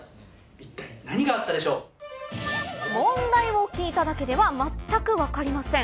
一体、問題を聞いただけでは全く分かりません。